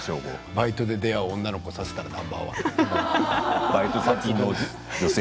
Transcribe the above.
バイトで出会う女の子させたらナンバー１俳優。